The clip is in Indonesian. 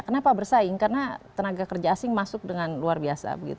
kenapa bersaing karena tenaga kerja asing masuk dengan luar biasa